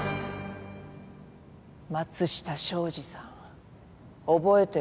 松下昭二さん覚えてる？